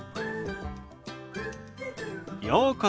ようこそ。